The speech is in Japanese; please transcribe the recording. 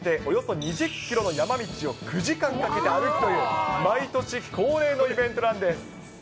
お弁当を持って、およそ２０キロの山道を９時間かけて歩くという、毎年恒例のイベントなんです。